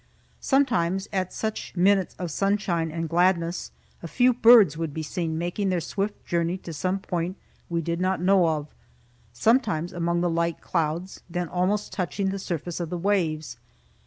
Sometimes, at such minutes of sunshine and gladness, a few birds would be seen making their swift journey to some point we did not know of; sometimes among the light clouds, then almost touching the surface of the waves.